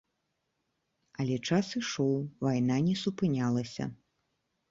Але час ішоў, вайна не супынялася.